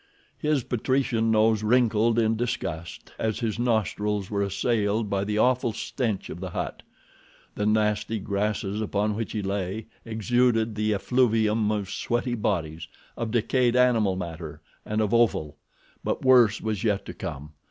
His patrician nose wrinkled in disgust as his nostrils were assailed by the awful stench of the hut. The nasty grasses upon which he lay exuded the effluvium of sweaty bodies, of decayed animal matter and of offal. But worse was yet to come.